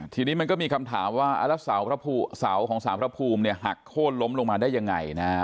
ทีนี้มันก็มีคำถามว่าแล้วเสาของสารพระภูมิเนี่ยหักโค้นล้มลงมาได้ยังไงนะฮะ